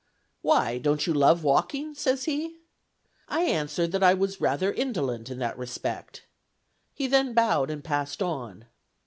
'Why, don't you love walking?' says he. I answered, that I was rather indolent in that respect. He then bowed and passed on.